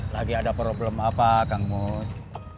lagi ada problem apa kang mus